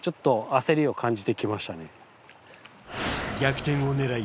逆転を狙い